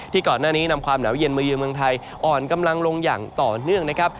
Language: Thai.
ก่อนหน้านี้นำความหนาวเย็นมายืนเมืองไทยอ่อนกำลังลงอย่างต่อเนื่องนะครับ